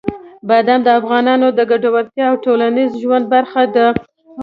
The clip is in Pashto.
بادام د افغانانو د ګټورتیا او ټولنیز ژوند برخه ده.